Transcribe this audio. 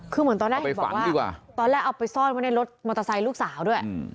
คือเหมือนตอนแรกเห็นบอกว่าตอนแรกเอาไปซ่อนไว้ในรถมอเตอร์ไซค์ลูกสาวด้วย